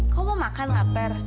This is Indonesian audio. kau mau makan lapar